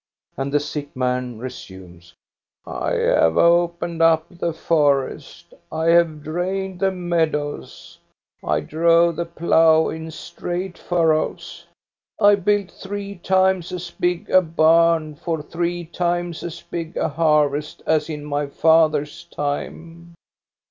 And the sick man resumes: "I have opened up the forest, I have drained the meadows. I drove the plough in straight furrows. I built three times as ; a bam for three times as big a harvest as in my 346 THE STORY OF GOSTA BE RUNG father's time.